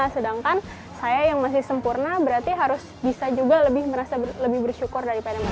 sedangkan saya yang masih sempurna berarti harus bisa juga lebih merasa lebih bersyukur daripada mereka